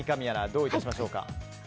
どういたしましょうか。